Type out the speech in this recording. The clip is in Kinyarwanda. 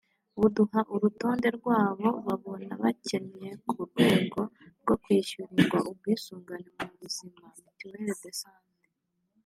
buduha urutonde rw’abo babona bakennye ku rwego rwo kwishyurirwa ubwisungane mu buzima (Mituelle de Santé)